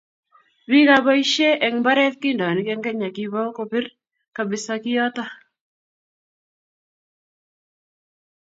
Biikab bosie eng mbarenik kindonik eng Kenya Kpawu ko kipir kabisa kiyoto.